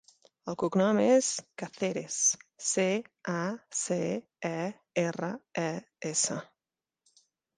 El cognom és Caceres: ce, a, ce, e, erra, e, essa.